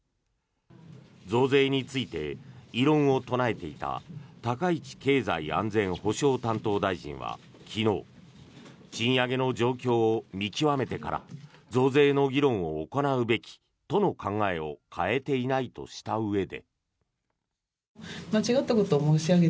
増税について異論を唱えていた高市経済安全保障担当大臣は昨日、賃上げの状況を見極めてから増税の議論を行うべきとの考えを変えていないとしたうえで。